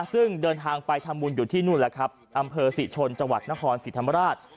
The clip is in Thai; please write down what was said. ซึ่งเดินทางไปทำบุญอยู่ที่นู่นแล้วครับอำเภอศรีชนจังหวัดนครศรีธรรมราช